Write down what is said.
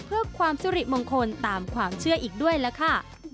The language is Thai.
เพื่อความสุริมงคลตามความเชื่ออีกด้วยล่ะค่ะ